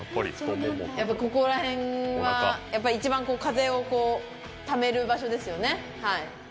やっぱここら辺は、一番風をためる場所ですよね。